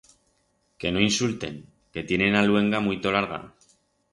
Que no insulten, que tienen a luenga muito larga.